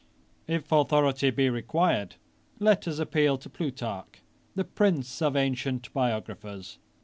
] If authority be required, let us appeal to Plutarch, the prince of ancient biographers.